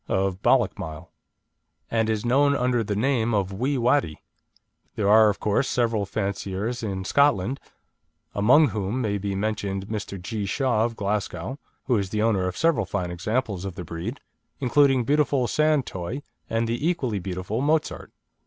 of Ballochmyle, and is known under the name of Wee Wattie. There are of course several fanciers in Scotland, among whom may be mentioned Mr. G. Shaw, of Glasgow, who is the owner of several fine examples of the breed, including beautiful San Toy and the equally beautiful Mozart.